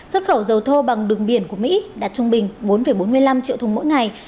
xuất khẩu dầu thô bằng đường biển của mỹ đạt trung bình bốn bốn mươi năm triệu thùng mỗi ngày